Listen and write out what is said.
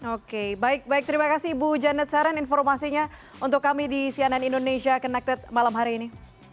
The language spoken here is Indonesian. oke baik baik terima kasih ibu janet saren informasinya untuk kami di cnn indonesia connected malam hari ini